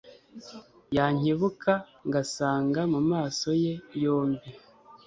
yankebuka ngasanga mu maso ye yombi